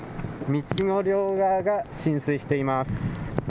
道の両側が浸水しています。